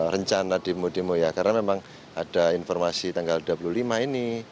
rencana demo demo ya karena memang ada informasi tanggal dua puluh lima ini